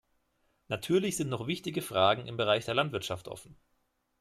Natürlich sind noch wichtige Fragen im Bereich der Landwirtschaft offen.